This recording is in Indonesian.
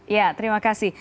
ya terima kasih